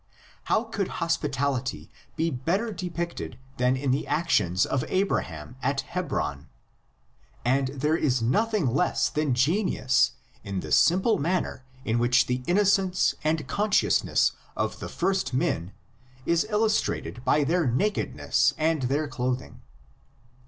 How could hospitality be better depicted than in the actions of Abraham at Hebron? And there is nothing less than genius in the simple manner in which the innocence and 62 THE LEGENDS OF GENESIS. the consciousness of the first men is illustrated by their nakedness and their clothing.